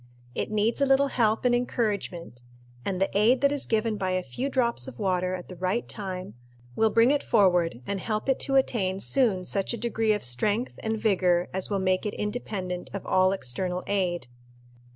It needs a little help and encouragement; and the aid that is given by a few drops of water at the right time will bring it forward and help it to attain soon such a degree of strength and vigor as will make it independent of all external aid.